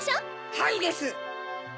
はいです！